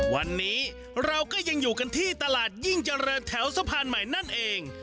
วันนี้เราก็ยังอยู่กันที่ตลาดยิ่งเจริญแถวสะพานใหม่นั่นเอง